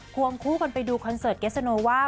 วงคู่กันไปดูคอนเสิร์ตเกสโนว่า